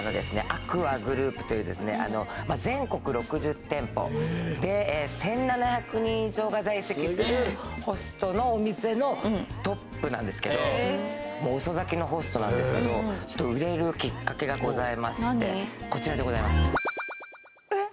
ＡＣＱＵＡグループという全国６０店舗で１７００人以上が在籍するホストのお店のトップなんですけど遅咲きのホストなんですけどがございましてこちらでございますえっ？